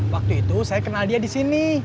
waktu itu saya kenal dia di sini